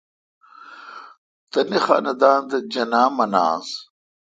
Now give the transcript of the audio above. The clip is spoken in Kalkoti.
تانی خاندان تھ جناح مناس۔